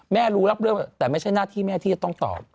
รู้รับเรื่องแต่ไม่ใช่หน้าที่แม่ที่จะต้องตอบ